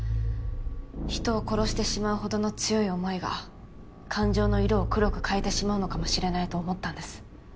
人を殺してしまうほどの強い思いが感情の色を黒く変えてしまうのかもしれないと思ったんです。